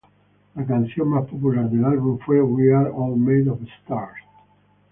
La canción más popular del álbum fue "We Are All Made of Stars".